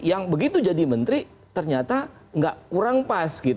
yang begitu jadi menteri ternyata nggak kurang pas